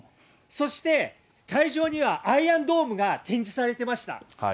そして会場にはアイアンドームが展示されてました。